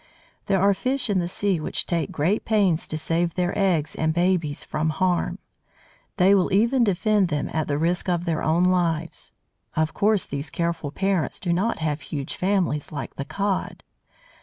There are fish in the sea which take great pains to save their eggs and babies from harm; they will even defend them at the risk of their own lives. Of course these careful parents do not have huge families, like the Cod.